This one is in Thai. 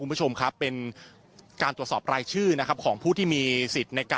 บ๊วยบ๊วยโอเคครับคุณผู้ชมครับตอนนี้เราก็อยู่กันที่หน่วยแรงตั้ง๓๖